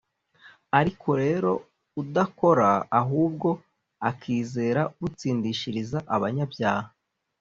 Ariko rero udakora, ahubwo akizera Utsindishiriza abanyabyaha,